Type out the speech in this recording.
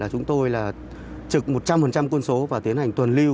chúng tôi là trực một trăm linh quân số và tiến hành tuần lưu